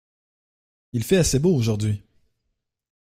Il fait assez beau aujourd'hui.